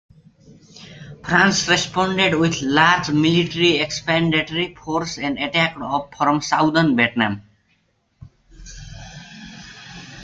France responded with a large military expeditionary force and attacked up from southern Vietnam.